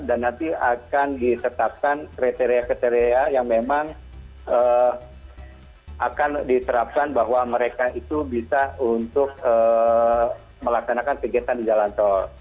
dan nanti akan disertakan kriteria kriteria yang memang akan diterapkan bahwa mereka itu bisa untuk melaksanakan kegiatan di jalan tol